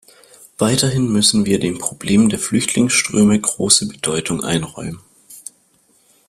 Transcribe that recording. Weiterhin müssen wir dem Problem der Flüchtlingsströme große Bedeutung einräumen.